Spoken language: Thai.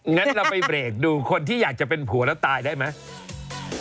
งั้นเราไปเบรกดูคนที่อยากจะเป็นผัวแล้วตายได้ไหม